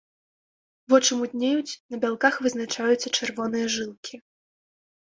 Вочы мутнеюць, на бялках вызначаюцца чырвоныя жылкі.